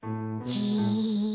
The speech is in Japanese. じ。